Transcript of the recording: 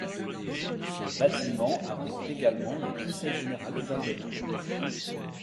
Ce bâtiment abrite également le conseil général du Val-de-Marne.